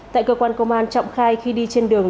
tại cơ quan công an trọng khai khi đi trên đường